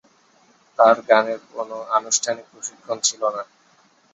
তার গানের কোন আনুষ্ঠানিক প্রশিক্ষণ ছিল না।